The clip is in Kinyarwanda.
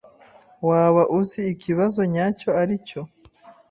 Waba uzi ikibazo nyacyo aricyo?